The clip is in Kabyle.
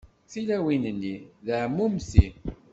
Tilawin-nni d εmumti.